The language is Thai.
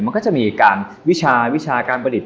มันก็จะมีทั้งวิชาบริชาประสิทธิเลย